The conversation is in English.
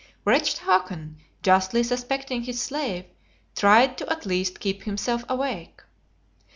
Wretched Hakon, justly suspecting his slave, tried to at least keep himself awake.